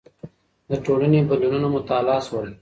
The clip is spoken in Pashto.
د ټولنې بدلونونه مطالعه شول.